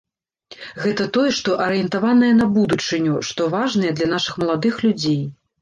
Гэта тое, што арыентаванае на будучыню, што важнае для нашых маладых людзей.